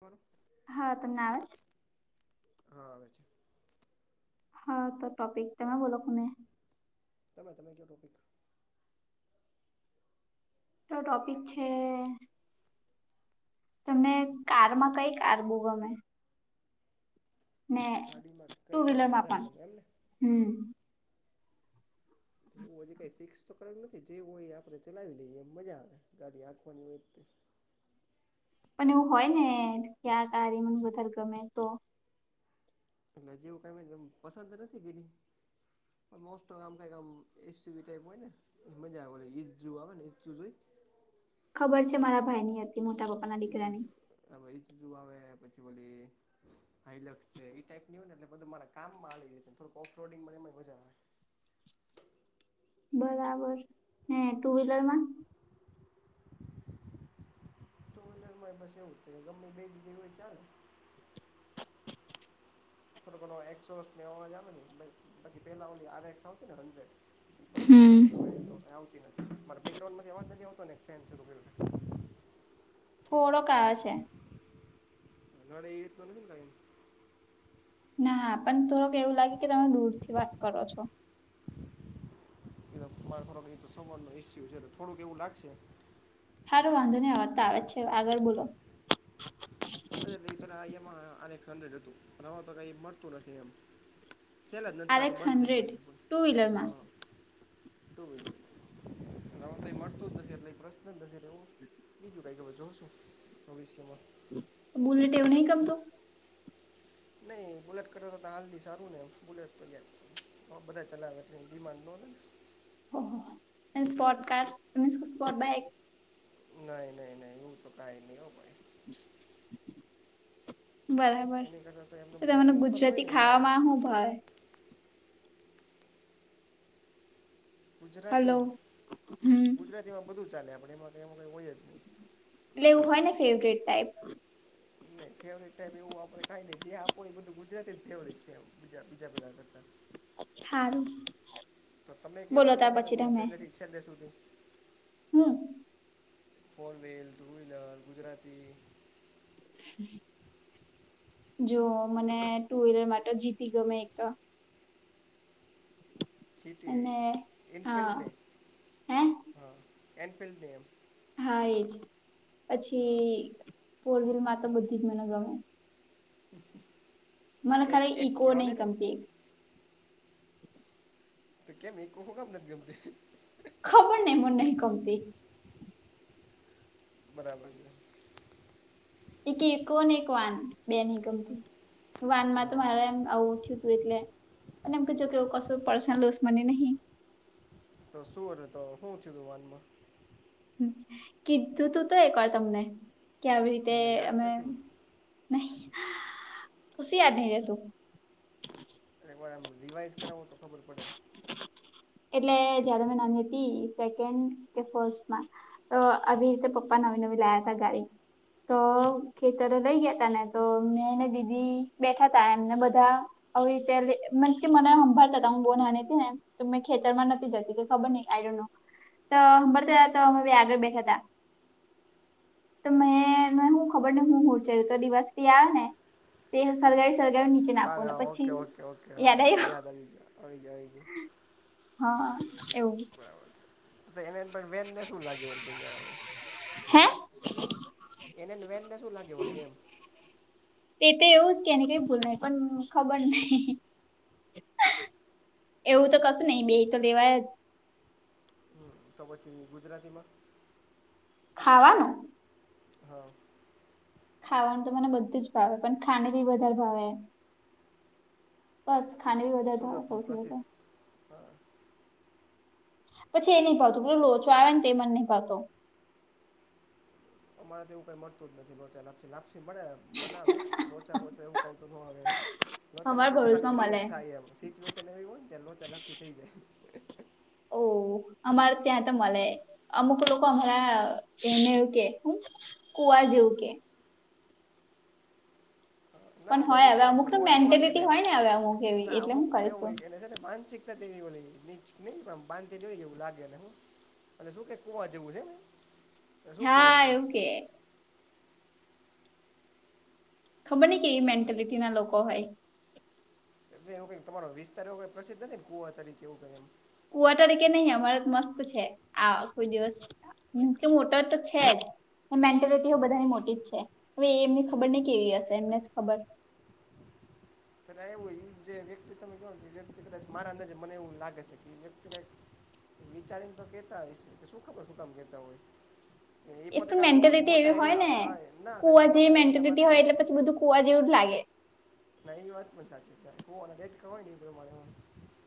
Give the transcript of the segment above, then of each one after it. બ. હા તમ ના આવે જ હા આવેવે છે. હા તો ટપિકતામે બોલો કોને તમે તમે કયો ટોપિક તો ટોપિક છે. તમને કારમાં કઈ કાર બો ગમે ને ગાડીમાં ટુ કઈ વ્હીલર ગાડી માં વધારે પણ ગમે એમને હમ-' એવું હય કંઈ ફિક્સ તો કરેલું નથી જે હોય આપણે ચલાવી લઈએ એમ મજા આવે ગાડી આંખવાની હોય. પણ એવું હોય ને ક્યા ક ર મને વધારે ગમે તો એટલે જેવું કઈ પસંદ નથી કીધી મોસ્ટ આમ કઈક આમ એસસીવીી ટાઈપ હોય ને એમ જ ઈજુ આવે ને ઈુ જોઈ. ખબર છે મારા ભાઈ ની હતી મોટા પપ ઈ ઈજુ આવે પછી બોલી. હાઈલસ છે એ ટાઈપ ની હોય ને એટલેધ મારા કામમાં આવી જાય છે થોડક ઓફ રોડિંગનેમાં મજા આવે. બરાબર હે ટુ વ્હીલર માં. ટુ વ્હીલર માં બસ એવું જ છે ગમેમે બે જ ગયું હોય ચલે ો બાકી પેલા ઓલી આક્સ આવતી ને હંડ્રેડ પસંદ હમ હવે આવતી નથી મારે બેકગ્રાઉન્ડ માં એવાજ નથી આવતો ને ફેન સરુકરિયો થોડો કયો છે. ઘે એવી રીત નથી ને કઈ. ના હ પણ થોડક એવું લાગે કે તમે દૂર થી વાત કરો છો. એ મારા થોડક તો સવાજ નું ઈસ્યુ છે થોડુંક એવું લાગશે. સારું વાંધો નહી આવતા આવે છે આગળ બોલો મ ન પેલા આે હતું હ તો કઈ મળતું નથી એમ સેલા જ આર નથીતા તો એક્સ બંધ થઈ ગયું હંડ્રેડ છે પણ ટુ વ્હીલરમાં હા ટુ વ્હીલર હ ક મળતું જ નથીશે એટલે પ્રશ્ન જ નથીશે એવું બીજું ભાઈ કે જોઉ છું ભવિષ્યમાં, બોલલે ટેવું નહી ગમતુ નહીં બુલેટ કતા તો હાલથી સારું ને બુલેટ તો જ બધા ચલાવે એટલે ડિમાન્ડ નો ને ઓ સ્પર્ટ કાર સ્પર્ટ બાક નહીં નહીં નહીં ઉ તો કઈ નહી હો ભાઈ. બરાબર એની કરતાં તો એમને જે તને સિમ્પલ હોય ગુજરાતી ને એ સારું ખાવામાં શું ભય. હલો ગુજરાતીમાં હમ ગુજરાતીમાં બધું ચાલે આપણે એમાં ક એમાં કંઈ હોય જ નહીં. એટલે એવું હોય ને ફેવરેટ ટાઈપ નહી ફેવરટ સાબ એવું આપડે ખાયને જે આપ એ બધું ગુજરાતી જ ફેવરટ છે બજા બીજા બધા કરતા સારું તો તમે બોલો કયોય ત તમારે પછી બધું પેલાથી ઈચ્છે લે સુધી હ four wheel two wheeler Gujarati જો મને ટુ વ્હીલર માટે જીતી ગમે એક તો સીટીી અને હા એઇનફિલ્ડને હે હા એનફિલ્ડને એમ હા એજ પછી હા ફોર વ્લમાં તો બધી જ મને ગમે મને એક ખાલી એક ઈકો કવા નહી નને ગમતી એક તો કેમ એક કોહો ગમ ન ગમ તે ખબર નહી મ નહીં કમતી બરાબર છે એક એક એક વાન બે ની ગમતી વાનમાં તો હા મારે એમ આવું થયું હતું એટલે અને એમ ક કે ક પર્ મને નહી તો શું તો શું થયું ગું વાનમાં કીધું તું તો એક વાર તમને કે આવી રીતે મને યાદ અમે નથી નહી ખી યાદ ન રે તું એકવાર એમ રિવાઈઝ કરાવો તો ખબર પડે એટલે જયારે મે નાની હતી સેકન્ડ કે ફર્સ્ટમાં તો અભી તે પપ્પા નવી નવી લાયા ત ગાડી તો ખેતરો લઈ ગયા ત ને તો મેં ને દીદી બેઠા તા એમને બધા હ રીતે મસ કે મને હંભા તમ બોન તં ખેતર માં નથી જતી ખબર નહ આઈડ તો હંભરતા હતા તો અમે આગળ બેઠા હતા તો મેં હું ખબર ને હું હું છેર તો દિવસથી આ ને તે તો સરળગાવી સળગાવી નીચે નાખો ને પછી યાદ આવ બ આવી જ આવી ગ હા એવું બરાબર એને વેટને શું લાગેં હ હે એને વે ને શું લાગે ગેમ તે તો એવું જ કેને કઈ ભૂલ પણ ખબર નહી એવું તો કશું નઈ બેક લેવાય જ ત પછી ગુજરાતીમાં ખાવાનું હા ખાવાનું તો મને બધું જ ભાવે પણ ખાને બી વધારે ભાવે બસ [unintelligible] વધારે સુરતનું સૌથી પ્રસિદ્ધ વધારે. હા પછી એ નહી ભાવતું પેલો લોચો આવે ન તે મન નહી ભાવતો. અમારે તો એવું કઈ મળતું જ નથી લોચા લપસી લાપસી મળે બનાવે લોચા મોચા એું કઈ ચલક અમારા છે તો ખાલી ભરૂચમાં મળે ગએટ થાય એમ સચુશન એ હોય ચલાક પ થ જાય ઓહ અમારે ત્યાં તો મળે અમુક લોકોક અમારા એનેવું કે હ કુવા જેવું કે પણ ના ર હોય અમુક હવે માણસો ને હોય એવા કે મેન્ટેલિટી નહી હોય ને હવે અમુક એવી ના એટલે હું અમુક એવું કરીશું કે છે માનસિક વી નીચ નહી પણ બાંધી જોય એવું લાગેને હું. અને શું કેકું જેવું છેને. હા એવું કે ખબર નહ કે એ તો- મેન્ટેલિટી ના લોકો હોય એ ક તમારો વિસ્તાર એવઈ પ્રસિ્ નથી નેુવા તરીકે એવું કઈ એમ ફુવા તરીકે નહી અમારે મસ્ત છે આ કોઈ દિવસ. મીન્સ કે મોટર તો છે જ. મેન્ટેલિટીઓ હા બધાની મોટી જ છે હવે એ એમની ખબર નઇ કેવી હશે એમને જ ખબર. કદાચ એવું એ જે વ્યક્તિ તમે કો વ્યક્તિ કદાચ મારા અંદાજે મને એવું લાગે છે કે વ્યક્તિ કંઇક. વિચારીને તો કેતા હસે કે શું ખબર શું કામ કેતા હોય. એ એ પોતે પણ ક મો મેન્ટેલિટી મોટા એવી હોય ને એરિયા હ એના મોટા એરિયા માથી. ફુવા જેવું જ લાગે. ના એ વાત પણ સાચી છે કુવાના દેડકા હોય ને ઈ પ્રમાણે હોય.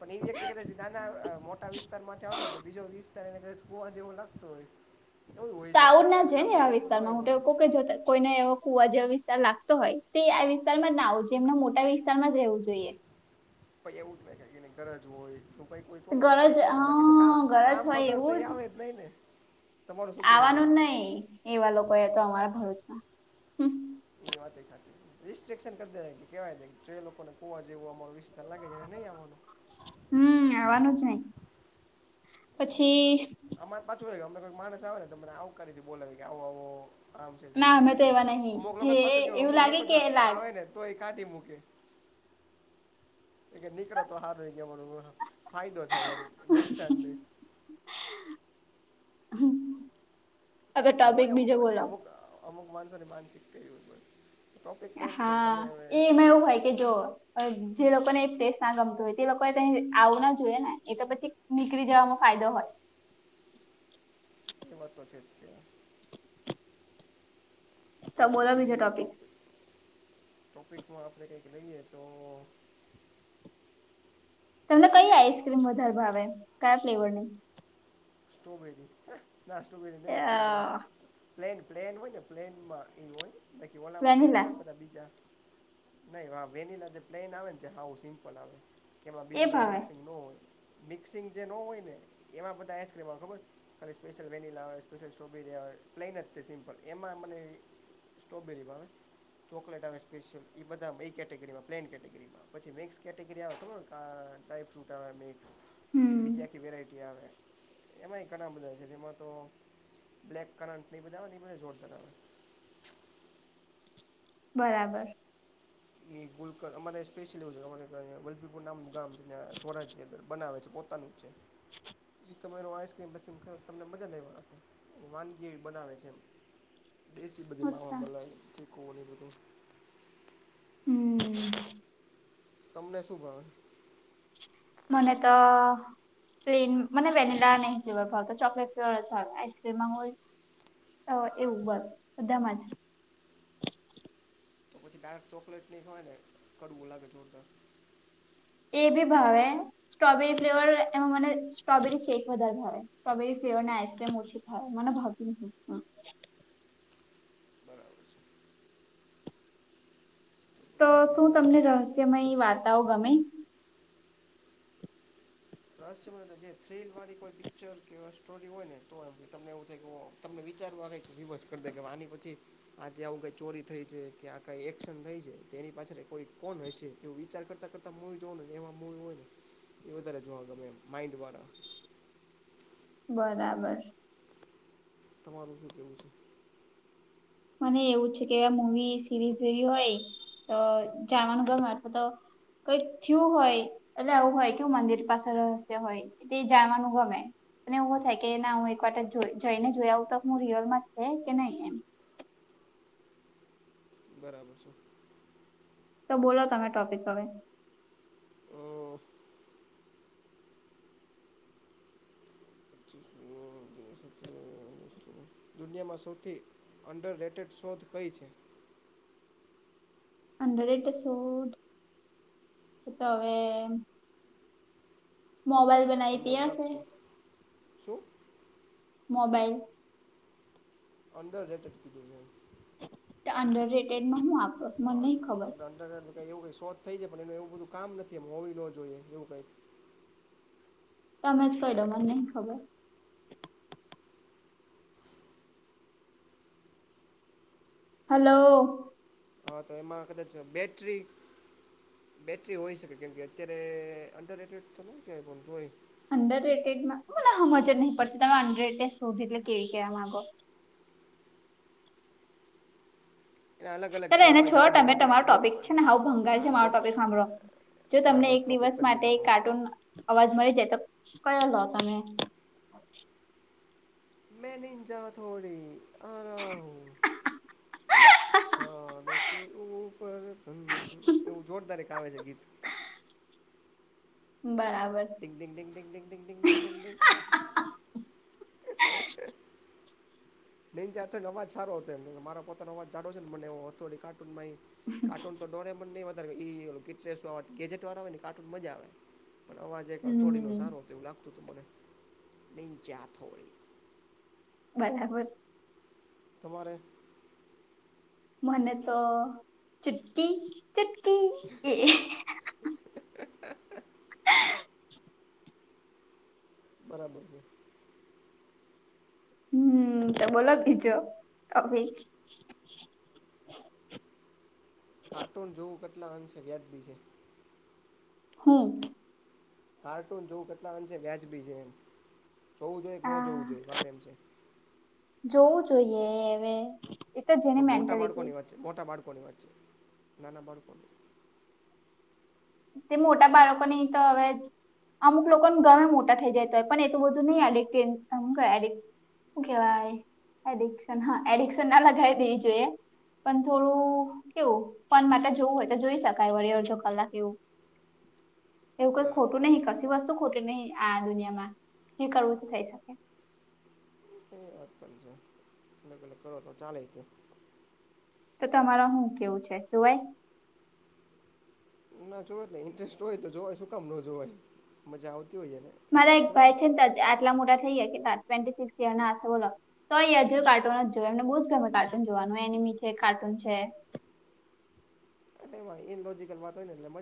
પણ એ વ્યક્તિ કદાચ નાના અ મોટા વિસ્તાર માંથી આવતો હોય તો બીજો વિસ્તાર એને કદાચ કુવા જેવો લાગતો હોય. એવું હોઈ તો આવુ શકે જ ના અને જુએ કાં ને આ પછી એવું ન વિસ્તારમાં હું હોય લોકો કઈ જોતા હોય. કોઈને એવો કુવા જેવો વિસ્તાર લાગતો હોય તે આ વિસ્તાર માં નાં આવવું જોઈએ એમને મોટા વિસ્તાર માં રહેવું જોઈએ. પઇ એવું જ ને કે એની ગરજ હોય. તો ભ કોઈ તો પણ ગરજ આવતા હોય બાકી તો કામ હા ગરજ કામ હોય વગર તો એ એવું આવે જ નહી ને. તમારું શું કેવું છે આવવાનું એમ. જ નહી એવા લોકોય હતા અમારા ભરૂચમાં. હમ એ વાતય સાચી છે. રિસ્ટ્રિકક્શન કર દેવાય જે લોકોને કુવા જેવો અમારો વિસ્તાર લાગે છે ને નહી આવવાનું. હમ્મ આવવાનું જ નહી પછી. અમારે પાછું હોય અમને કોઈ માણસ આવે ને તો તને આવકારી થી બોલાવી કે આવો આવો. આમ છે તેમ ના છે અમે તો એવા નહી અમુક લોકો જે પાછો કેવો એવું અમુક લાગે લોકો કે લાગ આવે ને તો એ કાઢી મૂકે. એ નીકળ તો હારૂ ગયો ફાયદો થાય એમ નુકસાન નઇ. અગર અને ટોપિક હોય અમુક બીજો બોલો. નહીં અમુક અમુક માણસોની માનસિકતાય એવી હોય પાશી. હા એમાં એવું હોય કે જો. જે લોકોને એ પ્લેસ ના ગમતો હોય તે લોકોએ ત્યાં આવું ના જોઈએ ને એ તો પછી. નીકળી જવામાં ફાયદો હોય. એ વાતો છે તે. તો પછી ટોપિક. ટોપિકમાં આપણે કંઈક લઈએ તો. તમને કઈ તો આઈસક્રીમ વધારે ભાવે કયા ફ્લેવર ની. સ્ટોબેરી ના સ્ટોબેરી ન એક. અ [unintelligible] પ્લેન પ્લેન હોય ને પ્લેન માં એ હોય બાકી ઓલામાં તો વેનીલા ઘણા બધા બીજા. નહી આ વેનિલા જે પ્લેન આવે ને આવું સિમ્પલ આવે કે એમાં એ બીજું કંઈ ભાવે મિક્સિંગ ન હોય. મિક્સિંગ જે ન હોય ને એમાં બધા આઇ કેવા ખબર ખાલી સ્પેશિયલ વેનિલા હોય સ્પેશિલ સ્ટ્રોબેરી હોય પ્લેન જ છે સિમ્પલ એમાં મને સ્ટ્રોબેરીમાં આવે ચોકલેટ આવે સ્પેશિયલ એ બધામાં એ કેટેગરીમાં પ્લેન કેટેગરીમાં. પછી મિક્સ કેટેગરી આવે અ ખબર ડ્રાયફ્રૂટ આવે મિક્સ. એ હમ બીજી આખી વેરાયટી આવે. એમાંય ઘણા બધા છે તેમાં તો બ્લેક કરટ નહીં બધા આવે એ બધ જોડતા આવેય. બરાબર. એ ગોલકન અમારે સ્પેશિયલ એવું અ ગોલભીપુર નામનું ગામ છે ત્યાં થોરાજ બનાવે છે પોતાનું. છે. ઈ તમારો આઈસક્રીમ [unintelligible] તમને મજા દેવાનો. વાનગી બનાવે છે દેશી બધી માવા અચ્છા મલાઈ, ચીખું એ બધું. હમ્મ. તમને શું ભાવે. મને તો. પ્લેન મ વેનીલા નઇ ફ્લેવર ભાવતો ચોકલેટ ફ્લેવર જ ભાવે આઈસક્રીમમાં હોય. હવે એવું બસ બધામાં જ. તો પછી ડાર્ક ચોકલેટ નહીં હોય ને કડવું લાગે જોરદાર. એ બી ભાવે સ્ટ્રોબેરી ફ્લેવર એમાં મને સ્ટ્રોબેરી શેક વધારે ભાવે. સ્ટ્રબરી ફયો ને આઈસક્ર્રીમ ઓછીાય મને ભાવજ નું. . બરાબર છે. તો શું તમને રહસ્યમય વાર્તાઓ ગમ. ે જે થ્રીલ વાળી કોઈ પિક્ચર કે સ્ટોરી હોય ને તો તમને એવું થઈું. તમને વિચારવું આે કે વિ બસ કર દે કે આની પછી. આજ આવું કઈ ચોરી થઈ છે કે આ કઈ એક્શન થઈ છે તે એની પાછળ કોઈ કોણ હ છે એવું વિચાર કરતા કરતા. વી જો નેને એમાં મુવી હોય ને એ વધારે જોવા ગમે માઈન્ડ વાળા. બરાબર. તમારું શું કેવું છે. મને એવું છે કે મવી સિરીઝ જેવી હોય તો જવાનું ગ મા તો. કઈક થયું હોય એટલે આવું હોય કેવું મંદિર પાસે રહસ હોય. એ તે જયવાનુ ગમે. અને એવો થાય કે ના હું એક વા જઈને જોયા આવું તો હું રિયલમાં છે કે નહી એમ. બરાબર છેો. તો બોલો તમે ટોપિક હવે. હ. તો. ત દુનિયામાં સૌથી અંડર રેટેડ શોધ કઈ છે. હંડ્રેડ એસોડ તો હવે. મોબાઈલ. બનાવી તમને તે એવું હશે લખતું શું. મોબાઈલ. અન્ડર રેટેડ કધઈએ. અંડર રેટેડમાં હું આપ. અંડર એટલે કઈ એવું ક શોધ થઈ જાય પણ એનું એવું બધું કામ નથી એમ હોવી ન જોઈએ એવું કઈ. તમે જ કહી ડ મને નહી ખબર. હલો. હા તો એમાં કદાચ બેટરી. બેૅટરી હોય શકે કેમ કે અત્યારે અંડર રેટેડ થતાય કેય ફોન થોય. અંડર રટેડમાં મને હજ જ નહી પડતી તમે અંડર રટેડ શોધી એટલે કેવી કેવા માંગો. એના અલગ અલગ ચાલ જવાબ એને છોડો જવા જોઈએ તમે તમારો ટોપિક છે ને હું ભંગાર છે મારો ટોપિક સાંભળો. જો હા તમને બસ એક ટોપિક દિવસ બદલી માટે નાખો કાર્ટૂન અવાજ મળી જાય તો કયો લો તમે. મેં નિજા થોડી આરા હું. હા એું ઉપ એવું જોરદાર ગ આવેે છે ગીત. બરાબર. [unintelligible] બેન જા તા અવાજ સારો હતો મારા પોતાનો અવાજ જાડો છેને ઓથોડી કા કાર્ટૂન તો ડોરે મોન વધારે ગેજે વાળા આવે ને કાર્ટૂન મજા આવે પણ અવાજ એક અથોડીનો હમ સારો તો એવું લાગતું હતું મને નહીં ક્યાંથોડી. બરાબર. તમારે. મને તો ચુટકી ચટકી એ. હમ. બરાબર છે. હમ તો બોલો બીજો ભાઈ. કાર્ટૂન જોવું કેટલા અંશે વ્યાજબી છે. હો. કાર્ટૂન જોવું કેટલા અંશે વ્યાજબી છે એમ જોવું જોઈએ કે ન જોવું આ જોઈએ વાત એમ છે. જોવું જોઈએ એ હવે. એ તો જેની મોટા મેન્ટાલિટી બાળકોની વચ્ચે, મોટા બાળકોની વચ્ચે, નાના બાળકો નહીં. તે મોટા બાળકોની તો હવે અમુક લોકોને ગમે મોટા થઇ જાય તોય પણ એટલું બધું નહી આલીત કે આ હું કેવાય [unintelligible] હુ કેવાય, એડિકશન. હા એડિક્શન ના લગાઈ દેવી જોઈએ. પણ થોડું કેવું, ફન માટે જોવું હોય તો જોઈ શકાય વળી અડધો કલાક એવું. એવું કાઈ બરાબર ખોટું છે નહી, કશી વસ્તુ ખોટી નહી આ દુનિયામાં, જે કરવું તે થઈ શકે. એ વાત પણ છે. અલગ-અલગ કરો તો ચાલેય તે. તો તમારો હું કેવું છે જોવાય? ના. જો એટલે ઇન્ટરેસ્ટ હોય તો જોવાય, શું કામ ન જોવાય, મજા આવતી હોય એને મારા તો એક જોવાય ભાઈ છે ને તે આટલા મોટા થઈ ગયા, કેટલા ટ્વેન્ટી સિક્સ યર ના હશે બોલો તોય એ હજું કાર્ટુન જ જોવે, એમને બહુ જ ગમે કાર્ટુન જોવાનું, એનિમી છે, કાર્ટૂન છે. તેમાંય ઈન લોજીકલ વાત હોય એટલે મજ